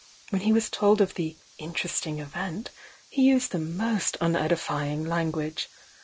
When he was told of the 'inter esting event' he used the most unedifying language.